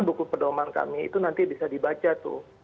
buku pedoman kami itu nanti bisa dibaca tuh